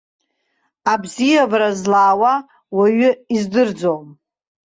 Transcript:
Абзиабара злаауа уаҩы издырӡом.